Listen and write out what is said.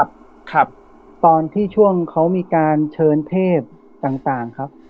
ครับตอนที่ช่วงเขามีการเชิญเทพต่างต่างครับ